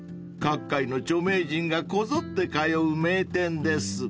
［各界の著名人がこぞって通う名店です］